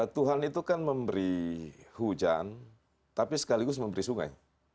tuhan itu kan memberi hujan tapi sekaligus memberi sungai